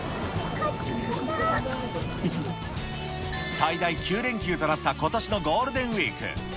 最大９連休となったことしのゴールデンウィーク。